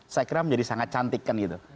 saya kira menjadi sangat cantik kan gitu